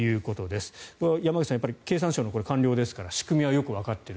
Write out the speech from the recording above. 山口さん、経産省の官僚ですから仕組みはよくわかっている。